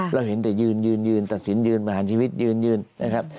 เราเห็นแต่ยืนยืนตัดสินยืนประหารชีวิตยืนนะครับ